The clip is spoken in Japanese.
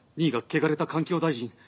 ２位が「＃汚れた環境大臣」。